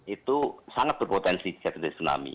itu sangat berpotensi terjadi tsunami